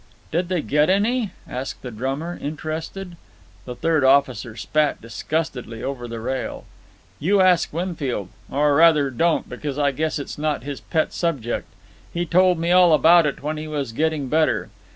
"Did they get any?" asked the drummer, interested. The third officer spat disgustedly over the rail. "You ask Winfield. Or, rather, don't, because I guess it's not his pet subject. He told me all about it when he was getting better.